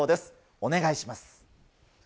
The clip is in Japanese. お願いします。